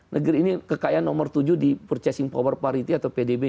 negeri ini kekayaan nomor tujuh di purchasing power parity atau pdb